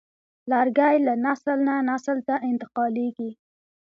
لرګی له نسل نه نسل ته انتقالېږي.